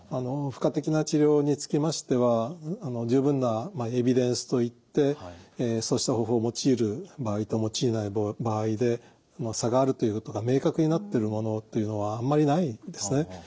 付加的な治療につきましては十分なエビデンスといってそうした方法を用いる場合と用いない場合で差があるということが明確になってるものというのはあんまりないんですね。